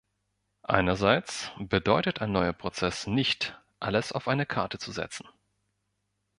Einerseits bedeutet ein neuer Prozess nicht, alles auf eine Karte zu setzen.